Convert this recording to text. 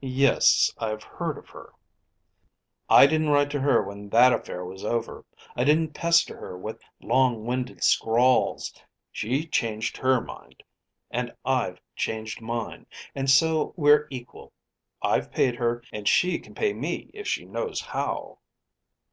"Yes; I've heard of her." "I didn't write to her when that affair was over. I didn't pester her with long winded scrawls. She changed her mind, and I've changed mine; and so we're equal. I've paid her, and she can pay me if she knows how."